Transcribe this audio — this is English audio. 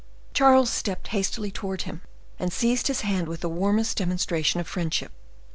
Charles stepped hastily towards him, and seized his hand with the warmest demonstration of friendship.